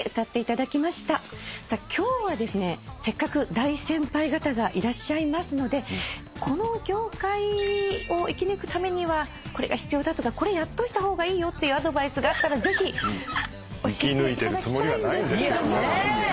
今日はせっかく大先輩方がいらっしゃいますのでこの業界を生き抜くためにはこれが必要だとかこれやっといた方がいいよっていうアドバイスがあったらぜひ教えていただきたいんですけども。